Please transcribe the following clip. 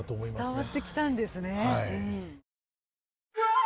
伝わってきたんですね。